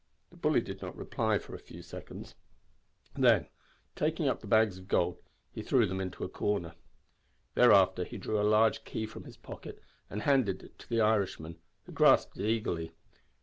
The bully did not reply for a few seconds. Then, taking up the bags of gold, he threw them into a corner. Thereafter he drew a large key from his pocket and handed it to the Irishman, who grasped it eagerly.